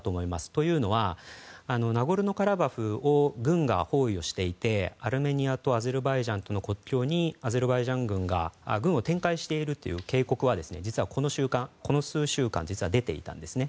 というのは、ナゴルノカラバフを軍が包囲をしていてアルメニアとアゼルバイジャンとの国境にアゼルバイジャン軍が軍を展開しているという警告は実は、この数週間出ていたんですね。